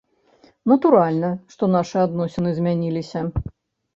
Натуральна, што нашы адносіны змяніліся.